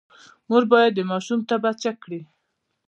مور باید د ماشوم تبه چیک کړي۔